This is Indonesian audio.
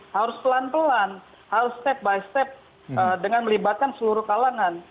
harus pelan pelan harus step by step dengan melibatkan seluruh kalangan